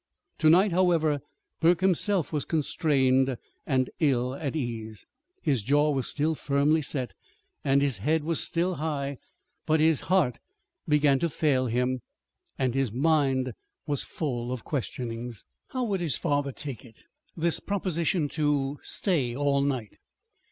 To night, however, Burke himself was constrained and ill at ease. His jaw was still firmly set and his head was still high; but his heart was beginning to fail him, and his mind was full of questionings. How would his father take it this proposition to stay all night?